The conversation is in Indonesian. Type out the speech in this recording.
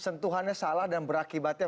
sentuhannya salah dan berakibatnya